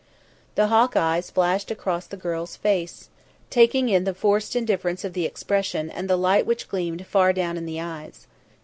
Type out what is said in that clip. The hawk eyes flashed across the girl's face, taking in the forced indifference of the expression and the light which gleamed far down in the eyes.